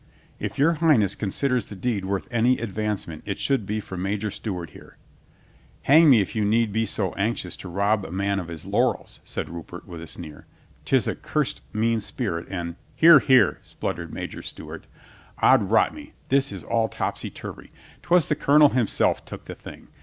"If Your Highness considers the deed worth any advancement, it should be for Major Stewart here." . "Hang me if you need be so anxious to rob a man of his laurels," said Rupert with a sneer. " 'Tis a curst mean spirit and " "Here, here," spluttered Major Stewart, "od rot me, this is all topsy turvy. 'Twas the Colonel him self took the thing.